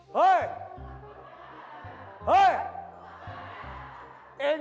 เฮ้ย